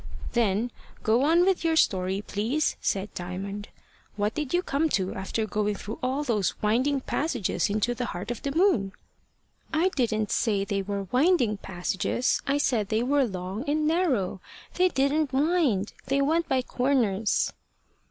"Then go on with your story, please," said Diamond. "What did you come to, after going through all those winding passages into the heart of the moon?" "I didn't say they were winding passages. I said they were long and narrow. They didn't wind. They went by corners."